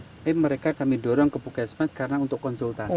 tapi kami dorong ke pukis mas karena untuk konsultasi